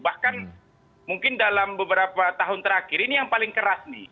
bahkan mungkin dalam beberapa tahun terakhir ini yang paling keras nih